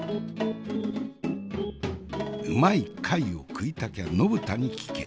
うまい貝を食いたきゃ延田に聞け。